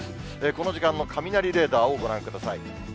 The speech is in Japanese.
この時間の雷レーダーをご覧ください。